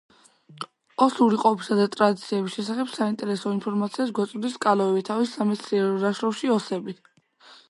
ოსური ყოფისა და ტრადიციების შესახებ საინტერესო ინფორმაციას გვაწვდის კალოევი თავის სამეცნიერო ნაშრომში „ოსები“.